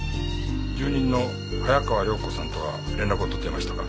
住人の早川涼子さんとは連絡を取っていましたか？